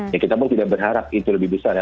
ya kita pun tidak berharap itu lebih besar ya